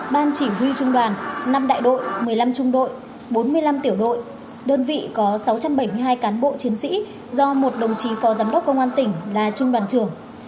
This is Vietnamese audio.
ban chỉ huy trung đoàn năm đại đội một mươi năm trung đội bốn mươi năm tiểu đội đơn vị có sáu trăm bảy mươi hai cán bộ chiến sĩ do một đồng chí phó giám đốc công an tỉnh là trung đoàn trưởng